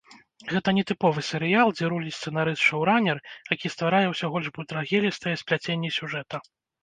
Гэта не тыповы серыял, дзе руліць сцэнарыст-шоўранер, які стварае ўсё больш мудрагелістыя спляценні сюжэта.